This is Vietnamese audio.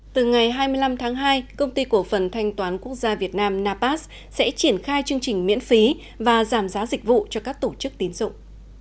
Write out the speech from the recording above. từ ngày hai mươi năm tháng hai công ty cổ phần thanh toán quốc gia việt nam napas sẽ triển khai chương trình miễn phí và giảm giá dịch vụ cho các tổ chức tín dụng